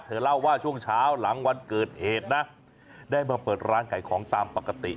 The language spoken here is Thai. เล่าว่าช่วงเช้าหลังวันเกิดเหตุนะได้มาเปิดร้านขายของตามปกติ